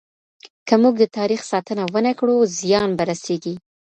که موږ د تاريخ ساتنه ونه کړو، زيان به رسيږي.